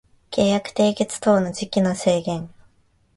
契約締結等の時期の制限